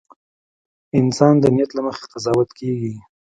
• انسان د نیت له مخې قضاوت کېږي.